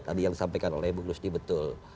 tadi yang disampaikan oleh bu lusti betul